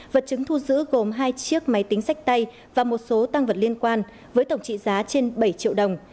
vật chứng thu giữ gồm hai chiếc máy tính sách tay và một số tăng vật liên quan với tổng trị giá trên bảy triệu đồng